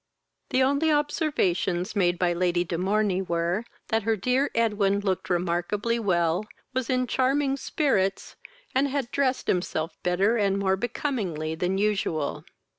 The only observations made by Lady de Morney were, that her dear Edwin looked remarkably well, was in charming spirits, and had dressed himself better and more becomingly than usual.